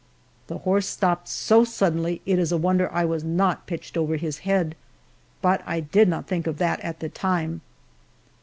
The horse stopped so suddenly it is a wonder I was not pitched over his head, but I did not think of that at the time.